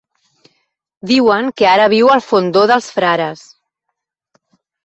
Diuen que ara viu al Fondó dels Frares.